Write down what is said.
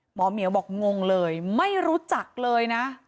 เหมียวบอกงงเลยไม่รู้จักเลยนะ